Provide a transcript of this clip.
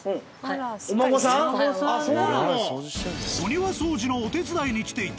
お庭掃除のお手伝いに来ていた